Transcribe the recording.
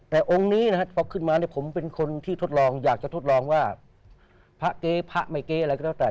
แต่องค์นี้นะครับพอขึ้นมาเนี่ยผมเป็นคนที่ทดลองอยากจะทดลองว่าพระเก๊พระไม่เก๊อะไรก็แล้วแต่